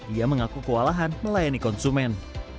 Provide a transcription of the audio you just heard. ia mengaku kewalahan melayani konsumen